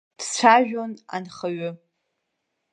Дцәажәон анхаҩы.